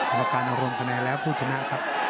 กรรมการอารมณ์ขนาดแล้วผู้ชนะครับ